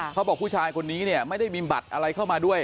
ผู้ชายคนนี้เนี่ยไม่ได้มีบัตรอะไรเข้ามาด้วย